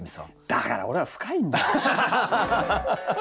だから俺は深いんだって！